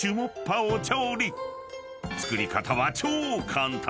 ［作り方は超簡単。